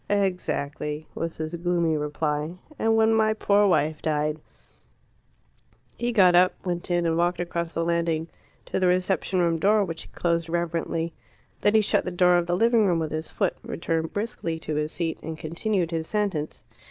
"Exactly," was his gloomy reply. "And when my poor wife died " He got up, went in, and walked across the landing to the reception room door, which he closed reverently. Then he shut the door of the living room with his foot, returned briskly to his seat, and continued his sentence.